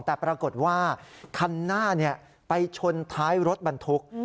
แต่ปรากฏว่าคันหน้าไปชนท้ายรถบรรทุก